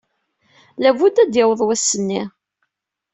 Labudd ad d-yaweḍ wass-nni.